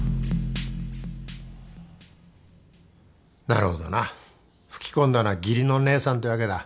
なるほどな吹き込んだのは義理の姉さんってわけだ。